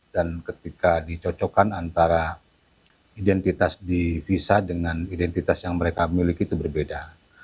dan ketika dicocokkan antara identitas di visa dengan identitas yang mereka miliki itu berbeda